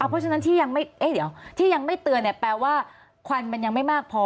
เพราะฉะนั้นที่ยังไม่เตือนแปลว่าควันมันยังไม่มากพอ